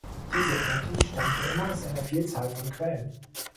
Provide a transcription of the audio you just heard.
Diese Energie stammte immer aus einer Vielzahl an Quellen.